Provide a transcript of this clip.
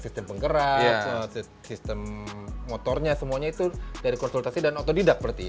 sistem penggerak sistem motornya semuanya itu dari konsultasi dan otodidak berarti